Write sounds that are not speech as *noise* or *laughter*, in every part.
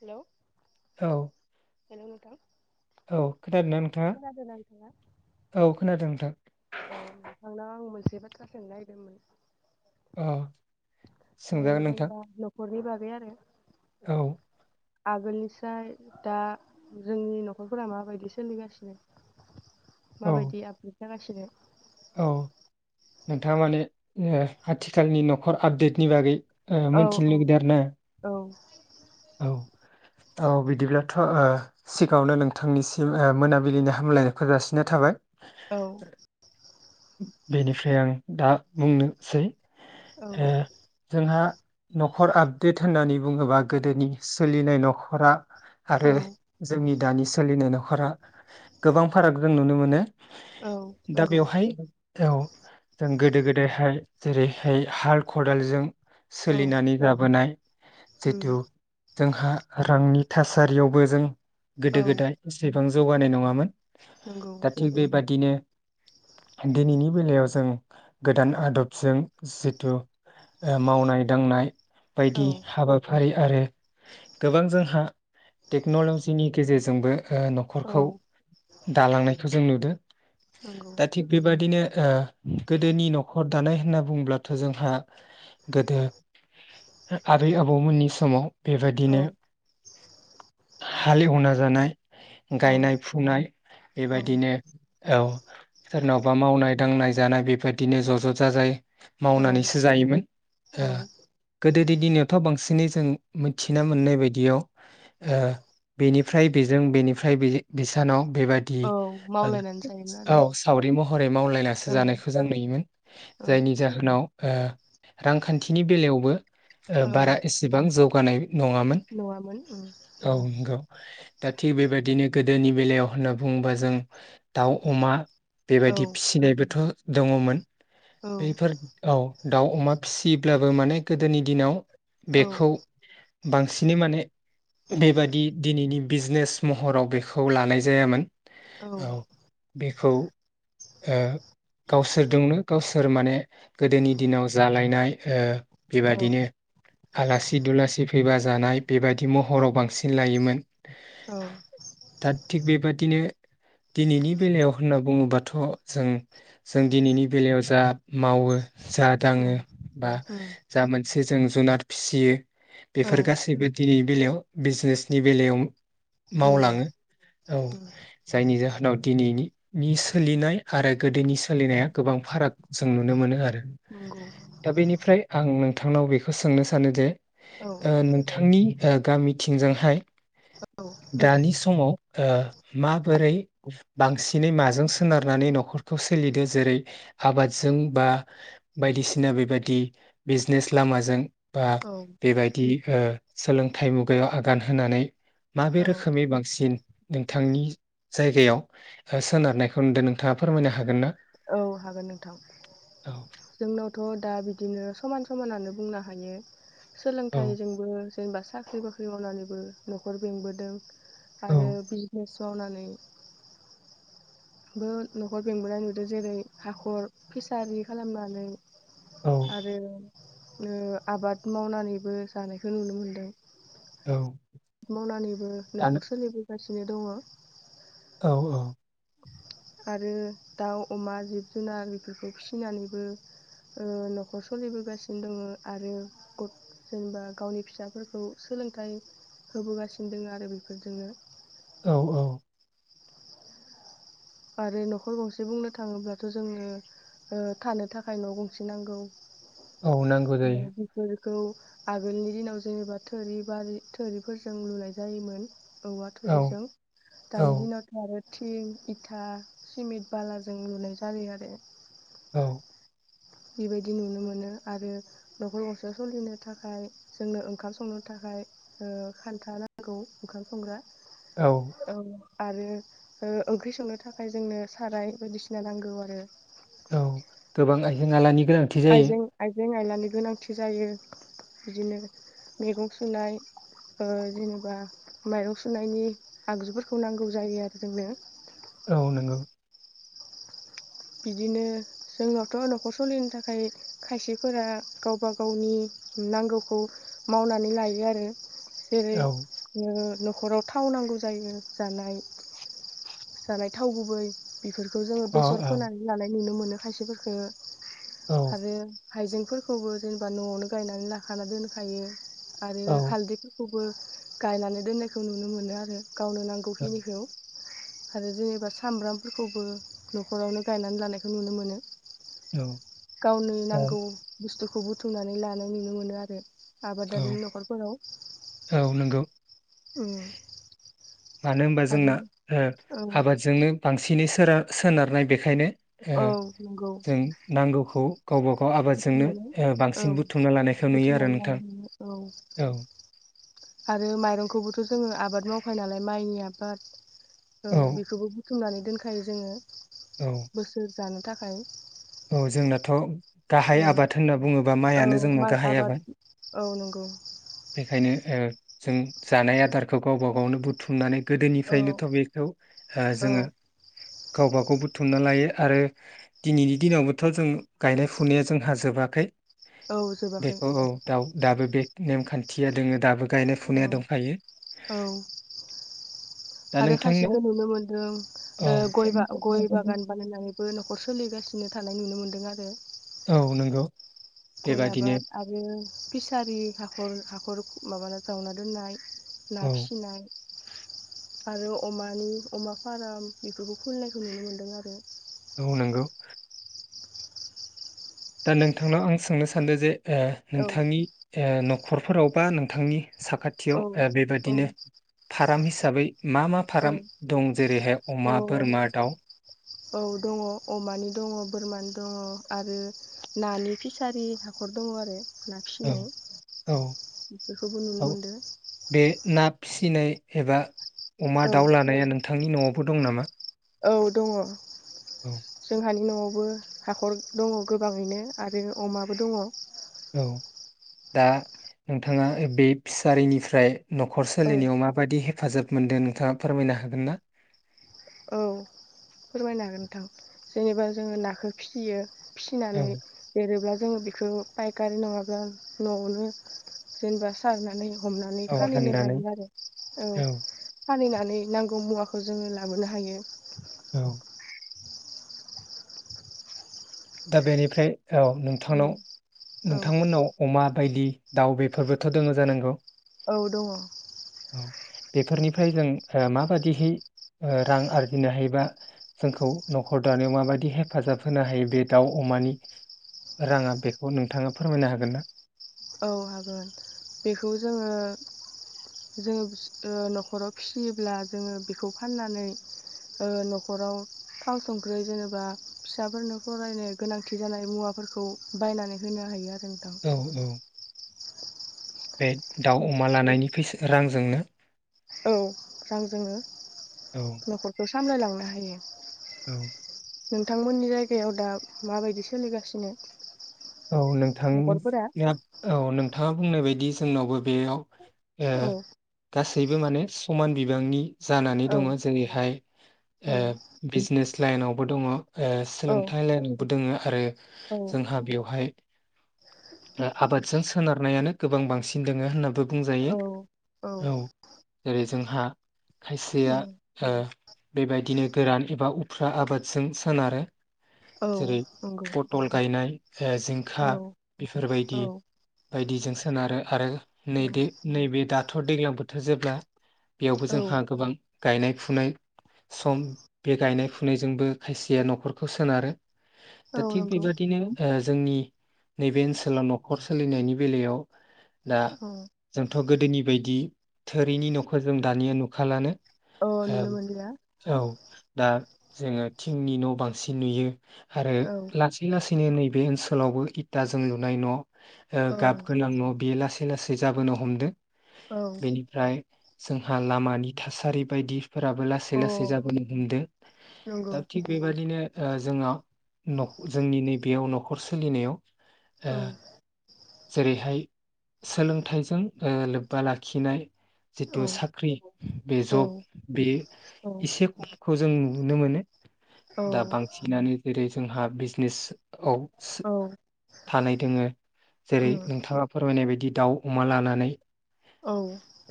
हेल' औ औ खोनोनादोंना नोंथाङा खोनादोंना नोंथाङा औ खोनादों दा अ नोंथांनाव आं मोनसे बाथ्रा अ सोंनायदोंमोन सोंजागोन जों नोंथां दा न'खरनि बागै बे आरो औ आगोलनिफ्राय दा जोंनि न'खरफोरा माबायदि सोलिगासिनो औ माबायदि आ जागासिनो औ नोंथाङा माने आथिखालनि न'खर आपडेटनि बागै औ मिथिनो औ लुगैदों आरो ना औ औ औ बिदिब्लाथ' सिगाङावनो नोंथांनिसिम मोनाबिलिनि हामलायनायखौ जासिनाय थाबाय औ बेनिफ्राय आं दा बुंनोसै औ जोंहा न'खर आपडेट होननानै बुङोबा गोदोनि सोलिनाय न'खरा औ आरो जोंनि दानि सोलिनाय न'खरा गोबां फाराग जों नुनो मोनो औ दा नंगौ बेवहाय औ जों गोदो गोदायहाय जेरैहाय हाल खदालजों औ सोलिनानै जाबोनाय उम जिथु जोंहा रांनि थासारियावबो जों औ गोदो गोदाय एसे गोबां जौगानाय नङामोन नंगौ दा थिग बेबादिनो दिनैनि बेलायाव जों गोदान आदबजों जिथु मावनाय दांनाय औ बायदि हाबाफारि आरो गोबां जोंहा टेक्नलजिनि गेजेरजोंबो ओ औ न'खरखौ दालांनायखौ जों नुदों नंगौ दा थिक बेबादिनो ओ गोदोनि न'खर दानाय होनना बुंब्लाथ' जोंहा गोदो आबै आबौमोननि समाव औ बेबायदिनो हालेवना जानाय औ गायनाय फुनाय औ बेबायदिनो औ। सोरनावबा मावनाय दांनाय जानाय बेबायदिनो ज'-ज' जाजाय। औ मावनानैसो जायोमोन ओ औ गोदोनि दिनयावथ' बांसिनै जों। मिथिना मोननाय बायदियाव ओ बेनिफ्राय बेजों बेनिफ्राय बिसानाव। बेबादि औ मावलायनानै जायोमोन औ आरो सावरि महरै मावलाय औ औ रांखान्थिनि बेलायावबो। ओ औ बारा एसेबां जौ। बानाय नङामोन नङामोन उम औ नंगौ दा थिग बेबायदिनो गोद दोनि बेलायाव होनना बुङोबा जों दाउ अमा औ बेबायदि फिसिनायबोथ'। दङमोन। औ बेफोर औ। दाउ अमा फिसियोब्लाबो माने गोदोनि दिनाव। औ बेखौ। बांसिनै माने बेबादि दिनैनि बिजनेस महराव बेखौ लानाय जायामोन औ बे खौ ओ गावसोरदोंनो गावसोर माने गोदोनि दिनाव जालायनाय ओ‌ औ बेबादिनो आलासि‌ सि फैबा जानाय बेबायाददि महराव बांसिन लायोमोन। औ दा थिग बेबाद दिनो दिनैनि बेलायाव होनना बुङोबाथ' जों जों दिनैनि बेलायाव जा मावो। जा दाङो उम बा उम जा मोनसे जों जुनार‌ फिसियो औ बेफोर गासैबो दिनै बेलायाव बिजनेसनि बेलायाव नंगौ मावलाङो औ उम जायनि जाहोनाव दिनैनि नि सोलिनाय आरो गोदोनि सोलिनाया गोबां फाराग जों नुनो मोनो आ‌ नंगौ औ दा बेनिफ्राय आं नों थांनाव बेखौ सोंनो सानोजे ओ औ नोंथांनि। ओ गामिथिंजोंहाय औ दानि समाव ओ माबोरै बांसिनै माजों सोनारनानै न'खरखौ सोलिदो जेरै आबादजों बा बायदिसिना बेबादि बिजनेस लामाजों बा औ बेबायदि ओ सोलोंथाइ मुगायाव आगान होनानै माबे औ रोखोमनि बांसिन नोंथांनि जायगायाव ओ सोनारनायखौ नुदो नोंथाङा फोरमायनो हागोन ना? औ हागोन नोंथां औ जोंनावथ' दा बिदिनो समान समानानो बुंनो हायो औ सोलोंथाइजोंबो जेनबा साख्रि बाख्रि मावनानैबो नखर बेंबोदों औ आरो बिजनेस मावना नै बो नखर बेंबोनाय नुदों जेरै हाखर फिसारि खालामनानै औ आरो‌ ओ आबाद मावनानैबो जानायखौ नुनो मोनदों। औ मावनानैबो दानो नखर सोलिबो‌ गासिनो दङ' औ औ आरो दाउ अमा, जिब जुनार बेफोरखौ फिसिनानैबो ओ नखर सोलिबोगासिनो दङ आरो गथ जेनेबा गावनि फिसाफोरखौ सोलोंथाइ होबोगासिनो दोङो आरो बेफोरजोंनो औ औ आरो न'खर गंसे बुंनो थाङोब्लाथ जोङो ओ थानो थाखाय न गंसे नांगौ औ नांगौ जायो खौ आगोलनि दिनाव जेनेबा थोरि बारि थोरिफोरजों लुनाय जायोमोन औवा औ थुरिजों औ दानि दिनावथ आरो थिं इ था, सिमिट, बालाजों लुनाय जायो आरो औ बेबायदि नुनो मोनो आरो नखर गंसे सोलिनो थाखाय जोंनो ओंखाम संनो थाखाय ओ खान्था नांगौ ओंखाम संग्रा औ आरो ओ ओंख्रि संनो थाखाय जोंनो साराय बायदिसिना नांगौ आरो औ गोबां आइजें आलानि गोनांथि जायो आइजें आइजें आइला नि गोनांथि जायो बिदिनो मैगं सुनाय ओ जेनेबा माइरं सुनायनि आगजुफोरखौ नांगौ जायो आरो जोंनो औ नोंगौ बिदिनो जोंनावथ' नखर सलिनो थाखाय खायसेफोरा गावबा गावनि नांगौखौ मावनानै लायो आरो जेरै औ ओ न खराव थाव नांगौ जायो जानाय जानाय थाव गुबै बेफोरखौ जोङो अ बेसर लानाय नुनो मोनो खायसेफोरखो औ आरो हाइजेंफोरखौबो जेनेबा न'आवनो गायनानै लाखाना दोनखायो। आरो औ हालदैफोर खौबो गायनानै दोननायखौ नुनो मोनो आरो गावनो नांगौखिनिखौ आरो जेनेबा सामब्रामफोरखौबो न' खरावनो गायनानै लानायखौ नुनो मोनो। औ गावनो नांगौ बुस्टु खौ बुथुमनानै लानाय नुनो मोनो आरो औ आबादारि न'खरफोराव औ नंगौ उम‌ मानो होनबा जोंना आबादजोंनो बांसिनै सो *unintelligible* सोनारनाय बेखायनो ओ औ नंगौ जों नांगौखौ गावबा गाव आबादजोंनो बुथुमनानै औ बांसिन बुथुमना लानायखौ नुयो आरो बुथुमनानै नोंथां लानानै औ औ। आरो माइरंखौबोथ' जोङो आबाद मावखायो नालाय माइनि आबाद औ बिखौबो बुथुमनानै दोनखायो जोङो। औ बोसोर जानो थाखाय औ जोंनाथ' गाहाय औ आबाद होनना बुङोबा औ माइानो जोंनाव माइ गाहाय आबाद औ नंगौ बेखायनो जों जानाय आदारखौ गावबा गावनो बुथुमनानै औ गोदोनिफ्रायनोथ' बेखौ औ जोङो गावबाागाव बुथुमना लायो आरो दिनैनि दिनावबोथ' जों गायनाय फुनाया जोंहाजोबाखै। औ जोबाखै बेखौ औ दाउ दाबो बे नेमखान्थिया दोङो दाबो। गायनाय औ फुनाया दंखायो औ दा आरो नोंथांनाव खायसेखौ नुनो मोनदों औ गय गय बागान बानायनानैबो न'खर सोलिगासिनो थानाय नुनो मोन्दों आरो औ नंगौ। गय बेबादिनो आबाद आरो फिसारि हाखर न'खर माबाना जावना दोननाय ना औ फिसिनाय आरो अमानि अमा फारम बेफोरखौ खुलिनायखौ नुनो मोनदों आरो औ नोंगौ दा नोंथांनाव आं सोंनो सानदों जे औ नोंथांनि खरफोरावबा नोंथांनि औ साखाथियाव औ बेबिनो फार्म हिसाबै हिसाबै मा मा फाराम दं जेरैहाय अमा औ औ बोरमा दाउ औ दङ अमानि दङ बोरमानि दङ आरो नानि फिसारि हाखर दङ आरो ना औ फिसिनाय औ बेफोरखौबो नुनो औ मोनदों बे ना फिसिनाय एबा अमा औ दाउ लानाया नोंथांनि न'आव दं नामा औ दङ औ जोंहानि न'आव बो हाखर दङ' गोबाङैनो आरो अमाबो दङ'। दा नोंथाङा बे फिसारिनिफ्राय न'खर सोलिनायाव माबायि हे हेफाजाब मोनदो नोंथाङा फोरमायनो हागोन ना? औ फोरमायनो हागोन नोंथां जेनेबा जोङो नाखौ फिसियो फिसिनानै देरोब्ला जोंङो बेखौ बायकारि नङाब्ला न'आवनो जेनेबा सारनानै हमनानै औ फानहैनो फाननानै हायो आरो औ। फालिनानै नांगौ मुवाखौ जोङो लाबोनो हायो। औ। दा बेनिफ्राय औ नोंथांनाव औ नोंथांमोननाव अमा बायदि दाव बेफोरबोथ' दङ' जानांगौ। औ दङ'। बेफोरनिफ्राय जों ओ माबायदिहै ओ रां आरजिनो हायोबा जोंखौ न'खर दानायाव माबायदि हेफाजाब होनो हायो बे दाउ अमानि राङा बेखौ नोंथाङा फोरमायनो हागोन ना? औ हागोन बेखौ जोङो जो ओ न'खराव फियोब्ला जोङो बेखौ फाननानै ओ न'खराव थाव संख्रि जेनेबा फिसाफोरनो फरायनो गोनांथि जानाय मुवाफोरखौ बायनानै होनो हायो आरो। नोंथां। औ औ। बे दाउ अमा लानायनि फैसा रांजोंनो औ रांजोंनो औ न'खरखौ स सामलायलांनो हायो। औ। नोंथांमोननि जायगायाव दा माबायदि सोलिगासिनो? औ नोंथां न'खरफोरा? औ नों थाङा बुंनाय बायदि जोंनावबो बेयाव ए औ गासै गासैबो माने समान बिबांनि जानानै औ दङ' जेरैहाय औ ओ बिजनेस लायेइनावबो दङ'। ओ औ सोलोंथाइ लाइन दोङो आरो औ जोंहा बेयाव बेहाय आबादजों सोनारनायानो गोबां बांसिन दङो होननानैबो बुंजायो औ जेरै जोंहा खायसेया उम बेबायदिनो गोरान एबा उफ्रा आबादजों सोनारो औ जेरै नंगौ पथल गायनाय। औ जिंखा बेफोर बायदि औ बायदिजों सोनारो आरो नैे नैबे दाथ' दैज्लां बोथोर जेब्ला बेयावबो औ जोंहा गोबां गायनाय फुनाय सम बे गायनाय फुनायजोंबो खायसेया नखरखौ सोनारो औ दा थिग नंगौ बेबादिनो। ओ जोंनि नैबे ओनसोलाव न'खर सोलिनायनि बेलायाव दा औ जोंथ' गोदोनि बायदि थोरिनि न'खौ जों दानिया नुखाालानो औ ओ नुनो मोनलिया औ दा जोङो थिंनि न' बांसिन नुयो आरो औ लासै लासैनो नैे बे ओनसोलावबो इथाजों लुनाय न' ओ औ गाब गोनां न' बेयो लासै लासै जाबोनो हमदों औ बेनिफ्राय जोंहा लामानि थासारि बायदिफोराबो लासै अ लासै जाबोनो हमदों दा नंगौ थिग बेबादिनो ओ जोङा जोंनि नैबेयाव न'खर न'खर सोलिनायाव ओ औ जेरैहाय सोलोंथाइजों ओ लोब्बा लाखिनाय औ जिथु साख्रि बे औ जब बे औ एसे खमखौ जों नुनो मोनो औ दा बांसिनानो जेरै जोंहा बिजनेसआव सो औ थानाय दोङो जेरै उम नोंथाङा फोरमायनाय बायदि दाउ, अमा लानानै औ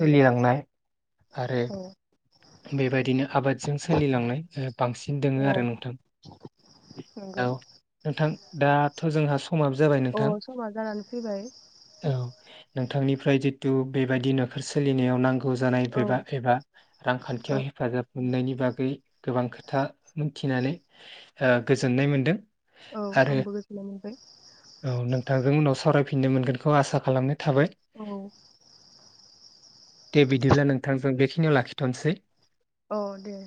सोलिलांनाय आरो औ बेबायदिनो आबादजों सोलिलांनाय बांसिन दङो औ आरो नोंथां नंगौ औ नोंथां दाथ' जोंहा समाब जाबाय नों अ समा जानानै फैबाय। नोंथांनिफ्राय जितु बेबायदि न'खर सोलिनायाव नांगौ जानाय *unintelligible* औ एबा रांखान्थियाव औ हेफाजाब मोननायनि बागै गोबां खोथा मिथिनानै ओ गोजोननाय मोनदों। औ आंबो गोजोननाय मोनबाय। थांजों उनाव सावरायफिननो मोनगोनखौ आसा खालामनाय थाबाय औ दे बिदिब्ला नोंथांजों बेखिनियाव लाखि थनोसै। औ दे